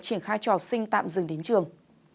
triển khai cho học sinh tạm dừng đến trường